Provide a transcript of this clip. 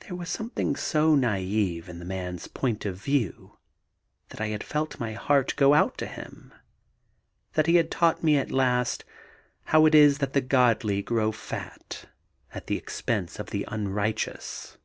There was something so naïve in the man's point of view that I had felt my heart go out to him. And he had taught me at last how it is that the godly grow fat at the expense of the unrighteous.